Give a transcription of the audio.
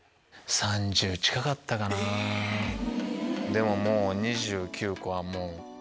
でも２９個はもう。